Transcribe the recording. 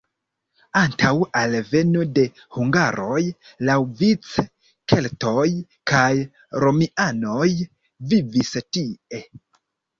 Antaŭ alveno de hungaroj laŭvice keltoj kaj romianoj vivis tie.